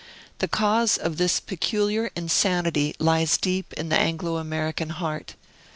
The cause of this peculiar insanity lies deep in the Anglo American heart.